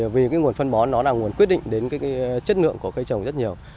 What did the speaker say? vì cái nguồn phân bón nó là nguồn quyết định đến chất lượng của cây trồng rất nhiều